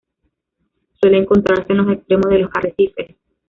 Suele encontrarse en los extremos de los arrecifes.